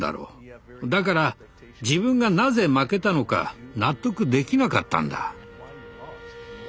だから自分がなぜ負けたのか納得できなかったんだ。